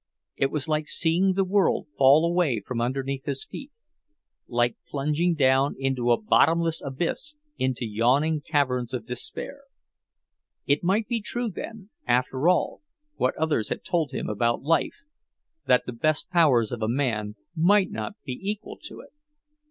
It was like seeing the world fall away from underneath his feet; like plunging down into a bottomless abyss into yawning caverns of despair. It might be true, then, after all, what others had told him about life, that the best powers of a man might not be equal to it!